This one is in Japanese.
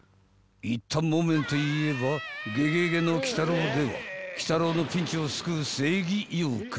［一反木綿といえば『ゲゲゲの鬼太郎』では鬼太郎のピンチを救う正義妖怪］